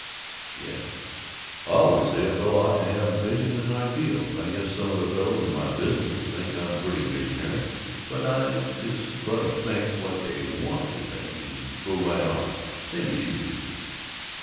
"Yes " "I always say a fellow ought to have Vision and Ideals. I guess some of the fellows in my business think I'm pretty visionary, but I just let 'em think what they want to and go right on same as you do....